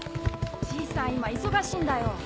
じいさん今忙しいんだよ。